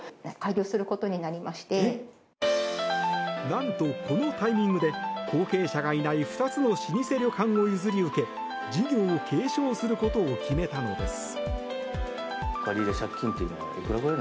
何と、このタイミングで後継者がいない２つの老舗旅館を譲り受け事業を継承することを決めたのです。